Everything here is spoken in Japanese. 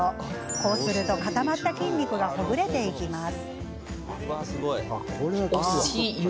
こうすると、固まった筋肉がほぐれていきます。